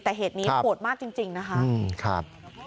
แต่เหตุนี้โหดมากจริงนะคะ